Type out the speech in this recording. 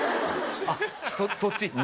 あそっち？